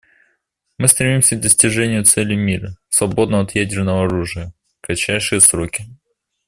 Мы стремимся к достижению цели мира, свободного от ядерного оружия, в кратчайшие сроки.